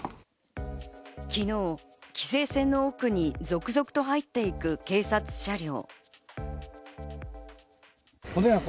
昨日、規制線の奥に続々と入っていく警察車両。